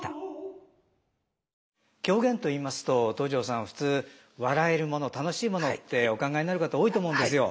狂言といいますと東次郎さん普通笑えるもの楽しいものってお考えになる方多いと思うんですよ。